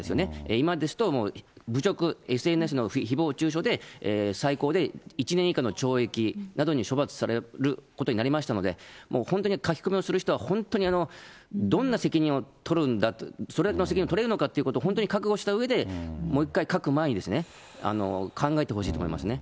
今ですと侮辱、ＳＮＳのひぼう中傷で、最高で１年以下の懲役などに処罰されることになりましたので、本当に書き込みをする人は、本当にどんな責任を取るんだと、それぐらいの責任を取れるのかということを本当に覚悟したうえで、もう一回書く前に考えてほしいと思いますね。